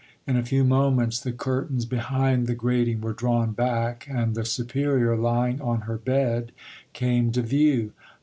In a few moments the curtains behind the grating were drawn back, and the superior, lying on her bed, came to view.